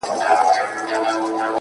سوخ خوان سترگو كي بيده ښكاري،